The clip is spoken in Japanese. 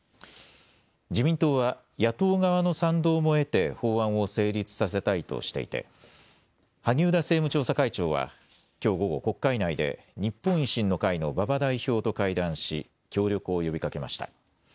自民党は野党側の賛同も得て法案を成立させたいとしていて萩生田政務調査会長はきょう午後、国会内で日本維新の会の馬場代表と会談し協力を呼びかけました。